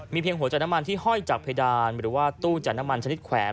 เพียงหัวใจน้ำมันที่ห้อยจากเพดานหรือว่าตู้จ่ายน้ำมันชนิดแขวน